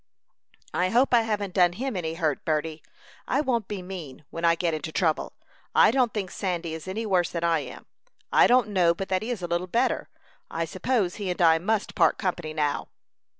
"I hope I haven't done him any hurt, Berty. I won't be mean, when I get into trouble. I don't think Sandy is any worse than I am. I don't know but that he is a little better. I suppose he and I must part company now."